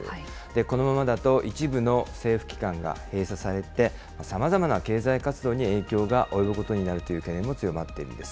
このままだと一部の政府機関が閉鎖されて、さまざまな経済活動に影響が及ぶことになるという懸念が強まっているんです。